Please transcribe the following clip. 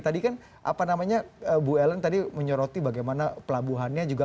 tadi kan apa namanya bu ellen tadi menyoroti bagaimana pelabuhannya juga